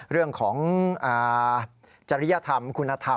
เรื่องของจริยธรรมคุณธรรม